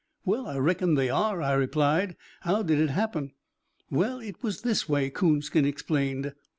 "Well, I reckon they are," I replied. "How did it happen?" "Well, it was this way," Coonskin explained.